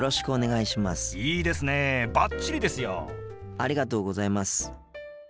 ありがとうございます。